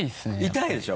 痛いでしょ？